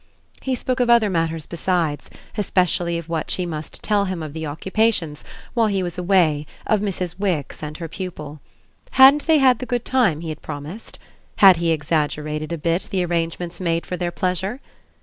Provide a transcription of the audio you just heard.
He spoke of other matters beside, especially of what she must tell him of the occupations, while he was away, of Mrs. Wix and her pupil. Hadn't they had the good time he had promised? had he exaggerated a bit the arrangements made for their pleasure?